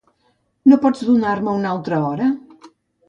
No pots donar-me una altra hora?